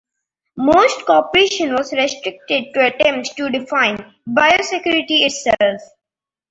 Most cooperation was restricted to attempts to define "biosecurity" itself.